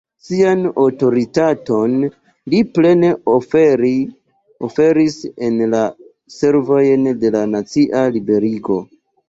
Sian aŭtoritaton li plene oferis en la servojn de la nacia liberigo.